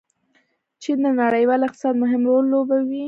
چین د نړیوال اقتصاد مهم رول لوبوي.